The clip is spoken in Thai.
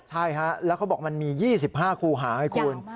ใช่ฮะแล้วเขาบอกมันมี๒๕ครูหาให้คุณ